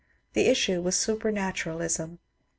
The issue was Supernaturalism.